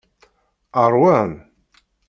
Ṛwan.